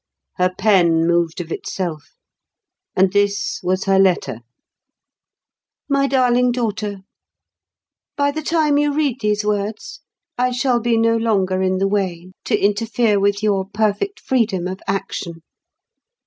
Her pen moved of itself. And this was her letter:— "MY DARLING DAUGHTER,—By the time you read these words, I shall be no longer in the way, to interfere with your perfect freedom of action.